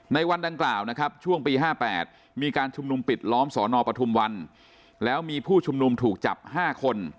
ในวันดังกล่าวนะครับช่วงปี๕๘มีการชุมนุมปิดล้อมสอนอปทุมวันแล้วมีผู้ชุมนุมถูกจับ๕คน